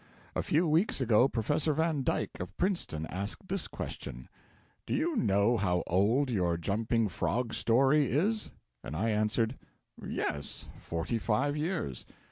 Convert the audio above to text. A few weeks ago Professor Van Dyke, of Princeton, asked this question: 'Do you know how old your "Jumping Frog" story is?' And I answered: 'Yes forty five years.